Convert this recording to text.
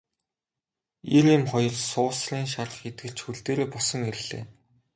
Эр эм хоёр суусрын шарх эдгэрч хөл дээрээ босон ирлээ.